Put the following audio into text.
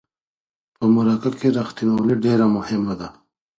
په مرکه کې رښتینولي ډیره مهمه ده.